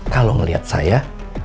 kalau melihat saya